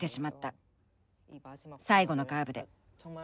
最後のカーブで。